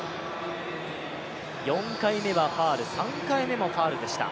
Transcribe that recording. ４回目はファウル、３回目もファウルでした。